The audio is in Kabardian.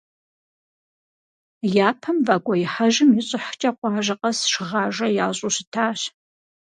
Япэм вакӏуэихьэжым и щӏыхькӏэ къуажэ къэс шыгъажэ ящӏу щытащ.